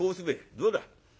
どうだ。